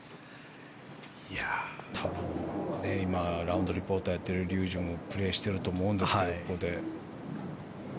多分、今ラウンドリポーターをやっている竜二もプレーしていると思いますが、ここで。